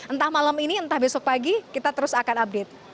entah malam ini entah besok pagi kita terus akan update